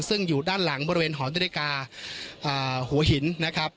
ซึ่งอยู่ด้านหลังบริเวณหอนาฬิกาหัวหินนะครับ